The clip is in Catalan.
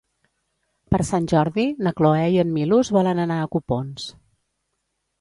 Per Sant Jordi na Cloè i en Milos volen anar a Copons.